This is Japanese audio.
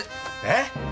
えっ！？